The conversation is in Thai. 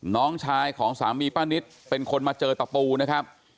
น้องชายของสามีป้านิตเป็นคนมาเจอตะปูนะครับ